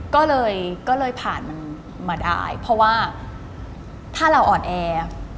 ก็เลยผ่านมันมาได้